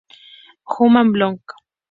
Human Bloom